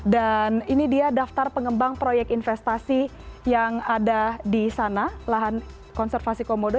dan ini dia daftar pengembang proyek investasi yang ada di sana lahan konservasi komodo